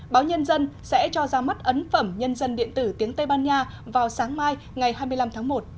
báo nhân dân sẽ cho ra mắt ấn phẩm nhân dân điện tử tiếng tây ban nha vào sáng mai ngày hai mươi năm tháng một